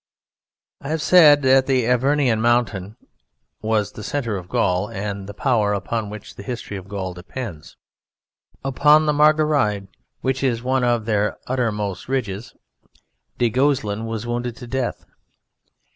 I have said that in the Avernian Mountains was the centre of Gaul and the power upon which the history of Gaul depends. Upon the Margeride, which is one of their uttermost ridges, du Guesclin was wounded to death.